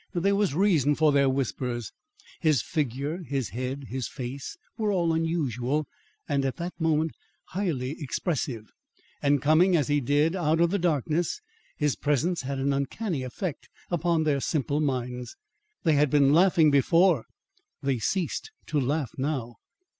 There was reason for their whispers. His figure, his head, his face, were all unusual, and at that moment highly expressive, and coming as he did out of the darkness, his presence had an uncanny effect upon their simple minds. They had been laughing before; they ceased to laugh now.